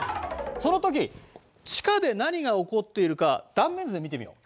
そのとき地下で何が起こっているか断面図で見てみよう。